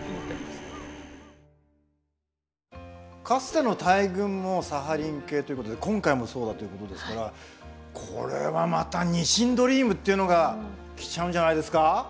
かつての大群もサハリン系ということで今回もそうだということですからこれはまたニシンドリームというのが来ちゃうんじゃないですか？